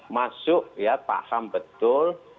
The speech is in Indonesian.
masuk ya paham betul